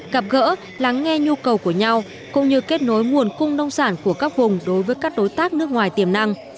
gặp gỡ lắng nghe nhu cầu của nhau cũng như kết nối nguồn cung nông sản của các vùng đối với các đối tác nước ngoài tiềm năng